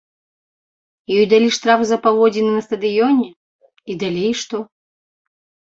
Ёй далі штраф за паводзіны на стадыёне, і далей што?